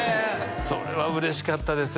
それは嬉しかったですよ